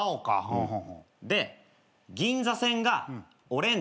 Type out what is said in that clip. うん。